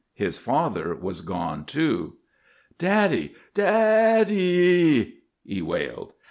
His father was gone, too. "Daddy! Daddee ee!" he wailed.